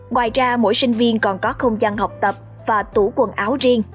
ngoài ra mỗi sinh viên còn có không gian học tập và tủ quần áo riêng